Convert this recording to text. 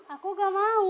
aku gak mau